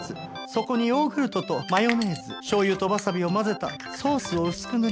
そこにヨーグルトとマヨネーズしょう油とわさびを混ぜたソースを薄く塗ります。